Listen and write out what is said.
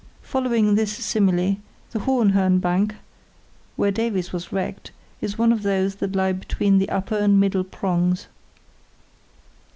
Following this simile, the Hohenhörn bank, where Davies was wrecked, is one of those that lie between the upper and middle prongs.